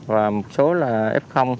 và một số là f